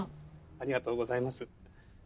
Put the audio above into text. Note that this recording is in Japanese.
ありがとうございます。